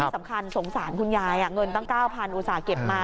สำคัญสงสารคุณยายเงินตั้ง๙๐๐อุตส่าห์เก็บมา